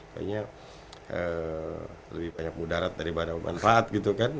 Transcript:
kayaknya lebih banyak mudarat daripada manfaat gitu kan